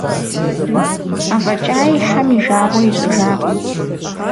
АфӀэкӀаи Хьэм и жагъуэ ищӀыжакъым.